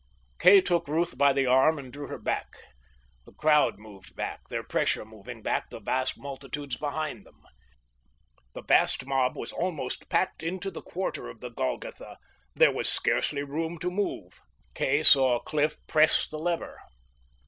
Kay took Ruth by the arm and drew her back. The crowd moved back, their pressure moving back the vast multitudes behind them. The vast mob was almost packed into the quarter of the Golgotha; there was scarcely room to move. Kay saw Cliff press the lever.